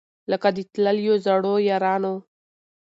لکه د تللیو زړو یارانو